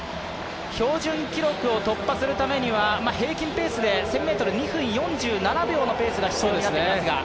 標準記録を突破するためには平均ペースで１０００ｍ、２分４７秒のペースが必要になってきます。